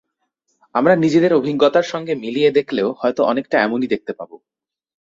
আমরা নিজেদের অভিজ্ঞতার সঙ্গে মিলিয়ে দেখলেও হয়তো অনেকটা এমনই দেখতে পাব।